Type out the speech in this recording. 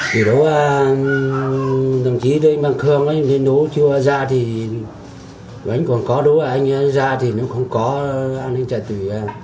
từ đó thậm chí đinh văn khương đến đó chưa ra thì anh còn có đối với anh ra thì nó không có an ninh trật tự